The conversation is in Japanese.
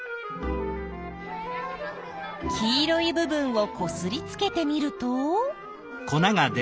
黄色い部分をこすりつけてみると。